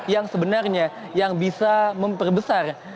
yang sebenarnya yang bisa memperbesar